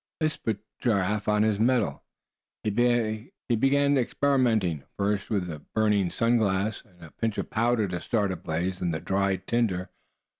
This put Giraffe on his mettle. He began experimenting, first with a burning sun glass, and a pinch of powder to start a blaze in the dry tinder.